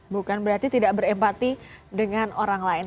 bukan berarti tidak berempati dengan orang lain